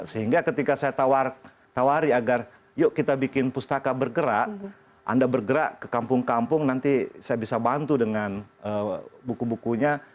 sehingga ketika saya tawari agar yuk kita bikin pustaka bergerak anda bergerak ke kampung kampung nanti saya bisa bantu dengan buku bukunya